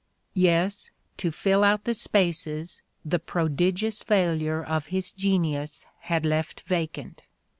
Tes, to fill out the spaces the prodigious fail ure of his genius had left vacant!